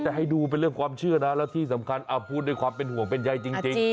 แต่ให้ดูเป็นเรื่องความเชื่อนะแล้วที่สำคัญพูดด้วยความเป็นห่วงเป็นใยจริง